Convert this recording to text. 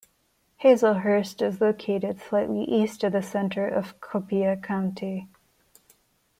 Hazlehurst is located slightly east of the center of Copiah County.